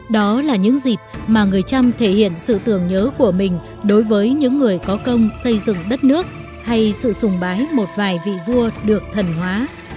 đó là những dịp mà người trăm thể hiện sự tưởng nhớ của mình đối với những người có công xây dựng đất nước hay sự sùng bái một vài vị vua được thần hóa